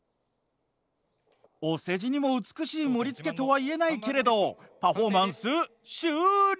お世辞にも美しい盛りつけとは言えないけれどパフォーマンス終了。